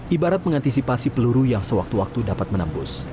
ibarat mengantisipasi peluru yang sewaktu waktu dapat menembus